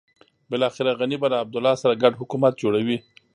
بلاخره غني به له عبدالله سره ګډ حکومت جوړوي.